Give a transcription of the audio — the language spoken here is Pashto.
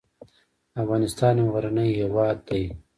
افغانستان یو غرنی هېواد دې .